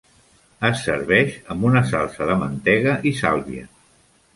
Es serveix amb una salsa de mantega i sàlvia.